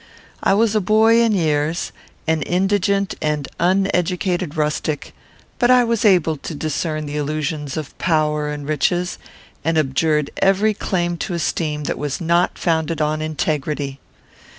I was a boy in years, an indigent and uneducated rustic; but I was able to discern the illusions of power and riches, and abjured every claim to esteem that was not founded on integrity.